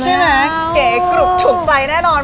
เก๋กรุบถูกใจแน่นอน